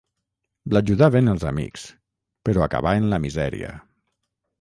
L’ajudaven els amics, però acabà en la misèria.